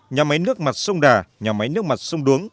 nhà máy nước mặt sông đà nhà máy nước mặt sông đuống